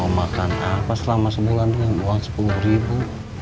mau makan apa selama sebulan itu uang sepuluh ribu